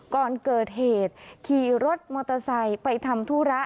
ก่อนเกิดเหตุขี่รถมอเตอร์ไซค์ไปทำธุระ